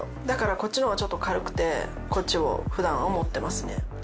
だからこっちのほうがちょっと軽くてこっちをふだんは持ってますね。